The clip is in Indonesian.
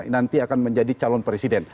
nanti akan menjadi calon presiden